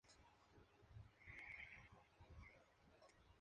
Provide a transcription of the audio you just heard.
Interpretados por sus compañeros escolares.